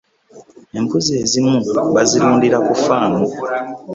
Embuzi ezimu bazirundira ku faamu.